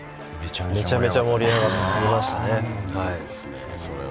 めちゃめちゃ盛り上がりました。